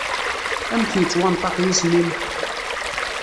Amek yettwanṭaq yisem-im?